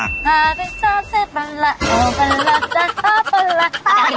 อยากไปเจอมาก